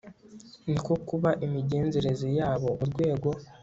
no ku kuba imigenzereze yabo mu rwego